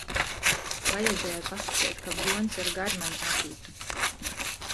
Vajadzēja pasaceit, kab Juoņs ar garmani atītu.